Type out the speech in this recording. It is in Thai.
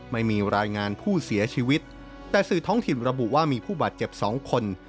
ไม่มีรายงานผู้เสียชีวิตแต่สื่อท้องถิ่นระบุว่ามีผู้บาดเจ็บสองคน